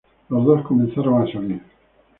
Los dos comenzaron a salir.